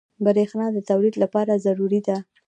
بریښنا د تولید لپاره ضروري ده.